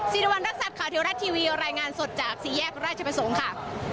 ศิริวัณรักษัตริย์ข่าวเทวรัฐทีวีรายงานสดจากสี่แยกราชประสงค์ค่ะ